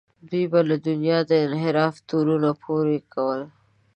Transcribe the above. دوی به له دینه د انحراف تورونه پورې کول.